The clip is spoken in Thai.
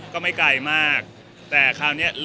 ก็ไม่ไกลมากแต่คราวนี้